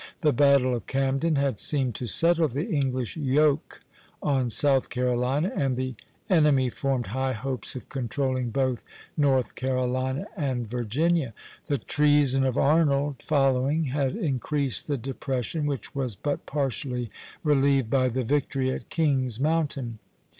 The battle of Camden had seemed to settle the English yoke on South Carolina, and the enemy formed high hopes of controlling both North Carolina and Virginia. The treason of Arnold following had increased the depression, which was but partially relieved by the victory at King's Mountain.